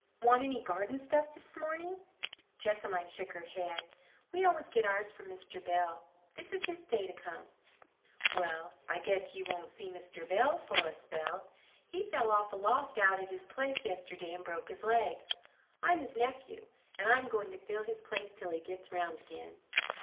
"Want any garden stuff this morning?" Jessamine shook her head. "We always get ours from Mr. Bell. This is his day to come." "Well, I guess you won't see Mr. Bell for a spell. He fell off a loft out at his place yesterday and broke his leg. I'm his nephew, and I'm going to fill his place till he gets 'round again."